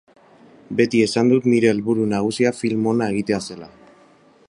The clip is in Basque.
Beti esan dut nire helburu nagusia film ona egitea zela.